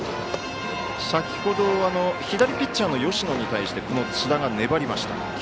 先ほど左ピッチャーの芳野に対して津田が粘りました。